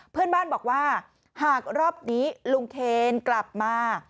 เพื่อนบ้านบอกว่าหากรอบนี้ลุงเคนกลับมา